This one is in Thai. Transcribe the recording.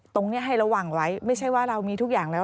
ตรงนี้ให้ระวังไว้ไม่ใช่ว่าเรามีทุกอย่างแล้ว